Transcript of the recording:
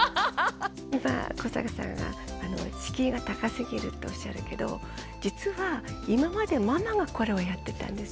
今古坂さんが敷居が高すぎるっておっしゃるけど実は今までママがこれをやってたんですよ。